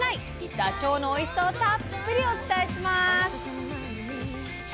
ダチョウのおいしさをたっぷりお伝えします。